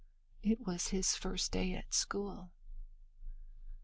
It was his first day at school.